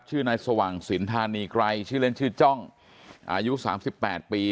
ชื่อนายสว่างสินธานีไกรชื่อเล่นชื่อจ้องอายุ๓๘ปี